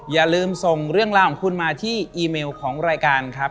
อย่าลืมส่งเรื่องราวของคุณมาที่อีเมลของรายการครับ